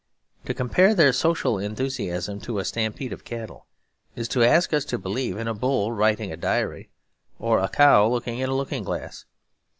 To compare their social enthusiasm to a stampede of cattle is to ask us to believe in a bull writing a diary or a cow looking in a looking glass.